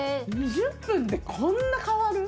２０分でこんな変わる？